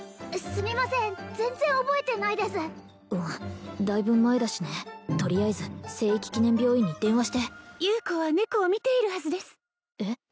すみません全然覚えてないですうんだいぶ前だしねとりあえずせいいき記念病院に電話して優子は猫を見ているはずですえっ？